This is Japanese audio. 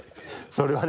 それはね。